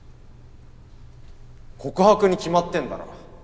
告白に決まってんだろ。